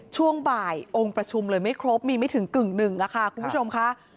ช่วงบ่ายองค์ประชุมเลยไม่ครบมีไม่ถึงกึ่งหนึ่งค่ะคุณผู้ชมค่ะ